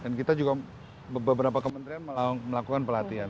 dan kita juga beberapa kementerian melakukan pelatihan